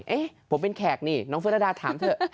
เอ๊ะผมเป็นแขกนี่น้องเฟื้อระดาถามเถอะ